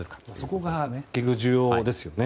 そこが結局重要ですよね。